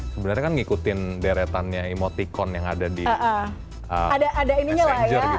sebenarnya kan ngikutin deretannya emoticon yang ada diseranger gitu